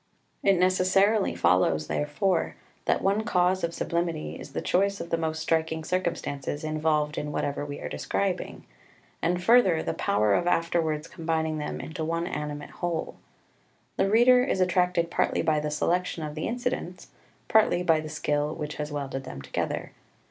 It necessarily follows, therefore, that one cause of sublimity is the choice of the most striking circumstances involved in whatever we are describing, and, further, the power of afterwards combining them into one animate whole. The reader is attracted partly by the selection of the incidents, partly by the skill which has welded them together.